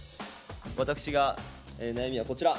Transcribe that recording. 私が悩みはこちら。